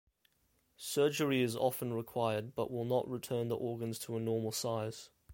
Surgery is often required but will not return the organs to a normal size.